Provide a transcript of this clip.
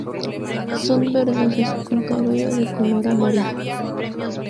Son verdosas con cabeza de color amarillo.